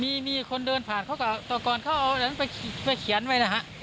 มีมีคนเดินผ่านเขาก็แต่ก่อนเขาเอาอันนั้นไปเขียนไว้นะฮะ